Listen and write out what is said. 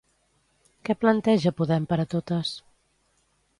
Què planteja Podem per a totes?